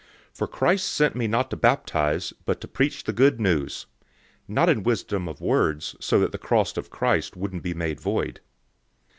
001:017 For Christ sent me not to baptize, but to preach the Good News not in wisdom of words, so that the cross of Christ wouldn't be made void.